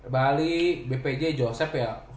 bali bpj joseph ya